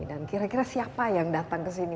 dan kira kira siapa yang datang ke sini